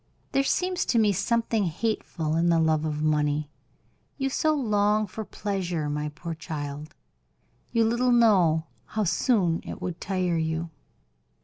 There seems to me something hateful in the love of money. So you long for pleasure, my poor child. You little know how soon it would tire you."